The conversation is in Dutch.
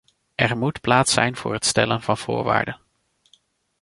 Er moet plaats zijn voor het stellen van voorwaarden.